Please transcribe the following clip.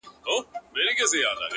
د چا غمو ته به ځواب نه وايو ـ